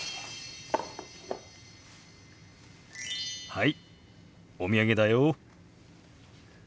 はいお土産だよ！